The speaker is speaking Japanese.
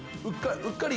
うっかり。